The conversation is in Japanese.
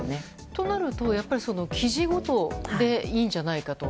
となると記事ごとでいいんじゃないかと。